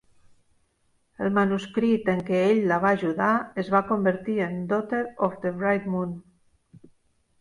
El manuscrit en què ell la va ajudar es va convertir en "Daughter of the Bright Moon".